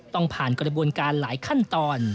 ต้องผ่านกระบวนการหลายขั้นตอน